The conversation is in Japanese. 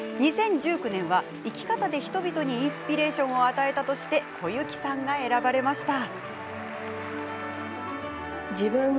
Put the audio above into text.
２０１９年は、生き方で人々にインスピレーションを与えたとして小雪さんが選ばれました。